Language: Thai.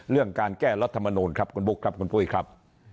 เรื่องการแก้รัฐมนูลครับคุณบุ๊คครับคุณปุ้ยครับ